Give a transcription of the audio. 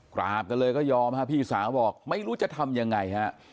กราบกันเลยก็ยอมฮะพี่สาวบอกไม่รู้จะทำยังไงฮะ